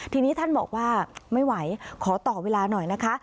ทีนี้ท่านบอกว่าไม่ไหวขอต่อเวลาหน่อยนะคะ